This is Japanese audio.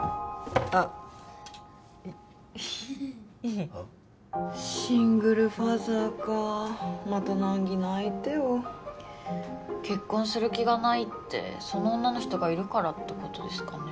あっヒヒッヒヒッシングルファザーかまた難儀な相手を「結婚する気がない」ってその女の人がいるからってことですかね？